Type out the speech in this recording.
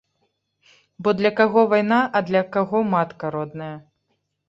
Бо для каго вайна, а для каго матка родная.